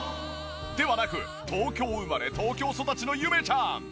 ではなく東京生まれ東京育ちのゆめちゃん。